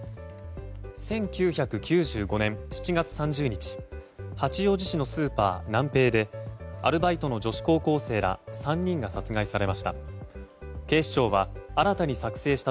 １９９５年７月３０日八王子市のスーパーナンペイでアルバイトの女子高校生ら３人が殺害されました。